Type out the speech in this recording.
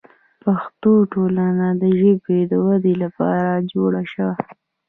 پښتو ټولنه د ژبې د ودې لپاره جوړه شوه.